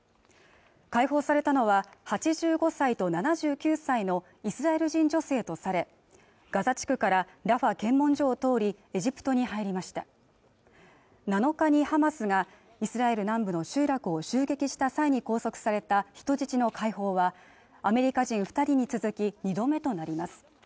解放されたのは８５歳と７９歳のイスラエル人女性とされガザ地区からラファ検問所を通りエジプトに入りました７日にハマスがイスラエル南部の集落を襲撃した際に拘束された人質の解放はアメリカ人二人に続き２度目となります